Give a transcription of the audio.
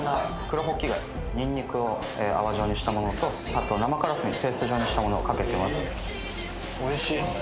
黒ホッキ貝ニンニクを泡状にしたものと生カラスミをペースト状にしたものをかけてます。